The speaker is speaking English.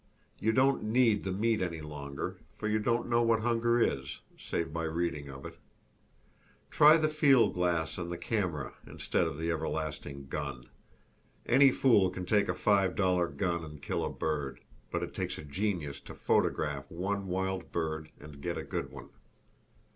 You don't "need" the meat any longer; for you don't know what hunger is, save by reading of it. Try the field glass and the camera, instead of the everlasting gun. Any fool can take a five dollar gun and kill a bird; but it takes a genius to photograph one wild bird and get "a good one."